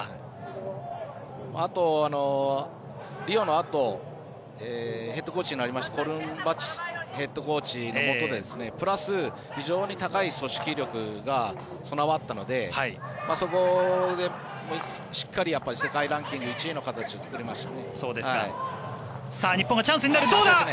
あと、リオのあとの就任したヘッドコーチのもとでプラス非常に高い組織力が備わったのでそこでしっかり世界ランキング１位の形をとりました。